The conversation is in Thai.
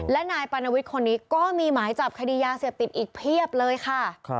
และนายปานวิทย์คนนี้ก็มีหมายจับคดียาเสพติดอีกเพียบเลยค่ะ